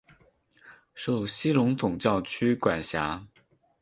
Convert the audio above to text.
受西隆总教区管辖。